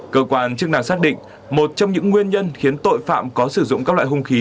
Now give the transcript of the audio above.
cơ quan chức năng xác định một trong những nguyên nhân khiến tội phạm có sử dụng các loại hung khí